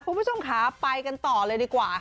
คุณผู้ชมค่ะไปกันต่อเลยดีกว่า